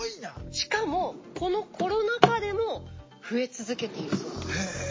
しかもこのコロナ禍でも増え続けているそうなんです。